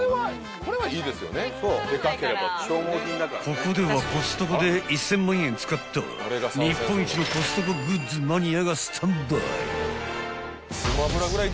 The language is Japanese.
［ここではコストコで１，０００万円使った日本一のコストコグッズマニアがスタンバイ］